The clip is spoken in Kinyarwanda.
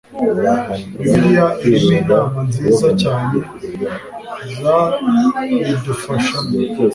bibiliya irimo inama nziza cyane zabidufashamo